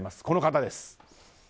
この方です。